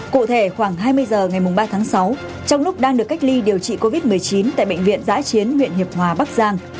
cụ thể khoảng hai mươi giờ ngày ba tháng sáu trong lúc đang được cách ly điều trị covid một mươi chín tại bệnh viện giã chiến huyện hiệp hòa bắc giang